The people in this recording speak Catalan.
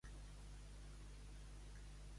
Sempre hi ha coses menys importants a fer, sembla.